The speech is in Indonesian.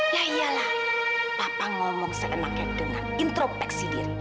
ya iyalah papa ngomong seenaknya dengan intropeksi diri